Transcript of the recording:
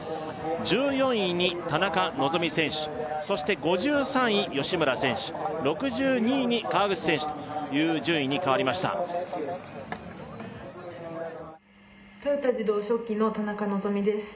１４位に田中希実選手そして５３位吉村選手６２位に川口選手という順位に変わりました豊田自動織機の田中希実です